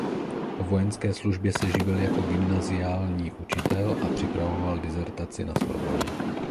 Po vojenské službě se živil jako gymnaziální učitel a připravoval disertaci na Sorbonně.